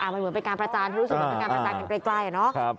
มันเหมือนเป็นการประจานรู้สึกเหมือนเป็นการประจานใกล้เนอะ